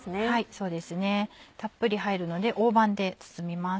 そうですねたっぷり入るので大判で包みます。